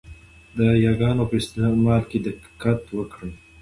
د یاګانو په استعمال کې دقت وکړئ!